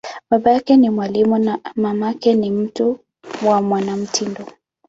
Babake ni mwalimu, na mamake ni mtu wa mwanamitindo.